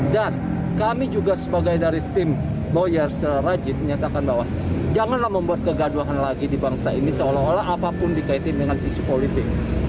dan kami juga sebagai dari tim boyar serajit menyatakan bahwa janganlah membuat kegaduhan lagi di bangsa ini seolah olah apapun dikaitkan dengan isu politik